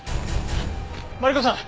マリコさん。